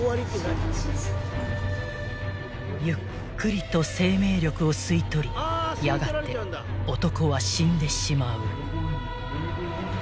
［ゆっくりと生命力を吸い取りやがて男は死んでしまう］